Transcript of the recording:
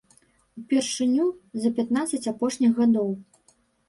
Упершыню за пятнаццаць апошніх гадоў.